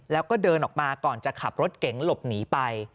แล้วก็เดินออกมาก่อนจะขับรถเก๋งหลบหนีไป